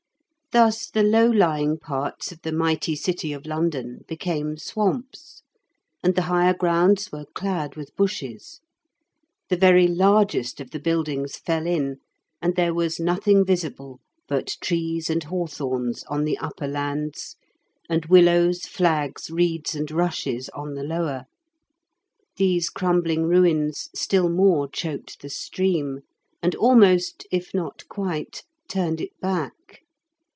Thus the low lying parts of the mighty city of London became swamps, and the higher grounds were clad with bushes. The very largest of the buildings fell in, and there was nothing visible but trees and hawthorns on the upper lands, and willows, flags, reeds, and rushes on the lower. These crumbling ruins still more choked the stream, and almost, if not quite, turned it back.